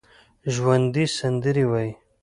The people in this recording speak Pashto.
ژوندي سندرې وايي